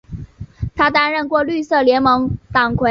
他担任过绿色联盟党魁。